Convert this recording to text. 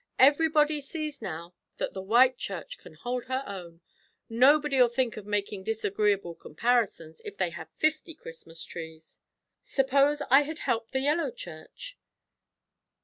"Everybody sees now that the white church can hold her own. Nobody'll think of making disagreeable comparisons, if they have fifty Christmas trees." "Suppose I had helped the yellow church?"